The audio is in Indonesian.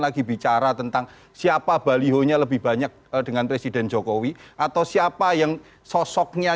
lagi bicara tentang siapa balihonya lebih banyak dengan presiden jokowi atau siapa yang sosoknya